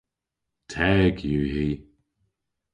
Teg yw hi.